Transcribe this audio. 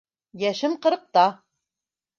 Йәшем ҡырҡта.